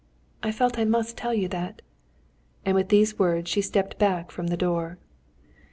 _' I felt I must tell you that." And with these words she stepped back from the door.